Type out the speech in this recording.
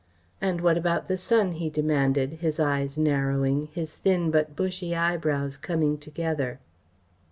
"And what about the son?" he demanded, his eyes narrowing, his thin but bushy eyebrows coming together.